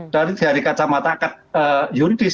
dari kacamata juridis